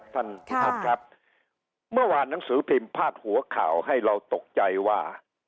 ท่านผู้ชมครับเมื่อวานหนังสือพิมพ์พาดหัวข่าวให้เราตกใจว่า